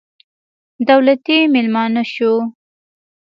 دولتي مېلمانه شوو.